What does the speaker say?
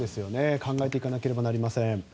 考えていかなければなりません。